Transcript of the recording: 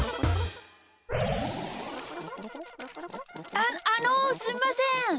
あっあのすいません。